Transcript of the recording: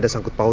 masuk ke tkea